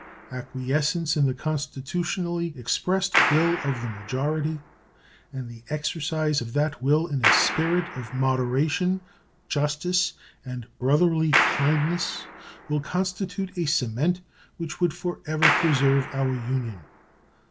Acquiescence in the constitutionally expressed will of the majority, and the exercise of that will in a spirit of moderation, justice, and brotherly kindness, will constitute a cement which would for ever preserve our Union.